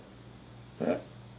えっ？